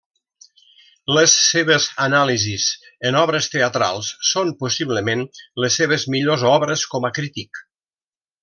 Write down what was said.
Les seves anàlisis en obres teatrals són possiblement les seves millors obres com a crític.